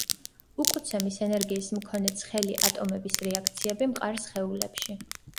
უკუცემის ენერგიის მქონე „ცხელი“ ატომების რეაქციები მყარ სხეულებში.